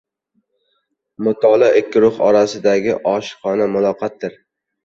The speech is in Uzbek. • Mutolaa ikki ruh orasidagi oshiqona muloqotdir.